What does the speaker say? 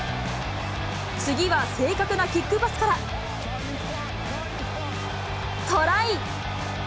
次は正確なキックパスから、トライ。